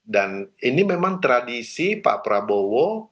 dan ini memang tradisi pak prabowo